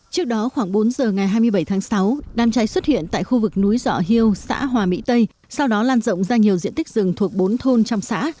trước đó khoảng bốn giờ ngày hai mươi bảy tháng sáu đám cháy xuất hiện tại khu vực núi dọ hương xã hòa mỹ tây sau đó lan rộng ra nhiều diện tích rừng thuộc bốn thôn trong xã